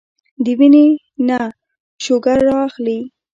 د وينې نه شوګر را اخلي